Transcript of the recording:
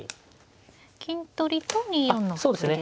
金取りと２四の歩ですか。